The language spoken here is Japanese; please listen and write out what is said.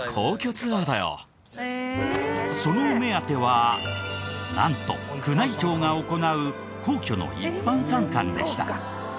そのお目当てはなんと宮内庁が行う皇居の一般参観でした。